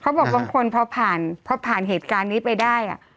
เขาบอกบางคนพอผ่านเพราะผ่านเหตุการณ์นี้ไปได้อะ